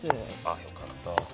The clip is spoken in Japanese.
あよかった。